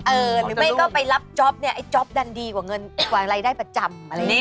หรือไม่ก็ไปรับจ๊อปเนี่ยไอ้จ๊อปดันดีกว่าเงินกว่ารายได้ประจำอะไรอย่างนี้